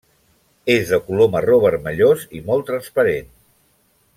És de color marró vermellós i molt transparent.